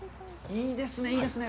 いいですね、いいですね。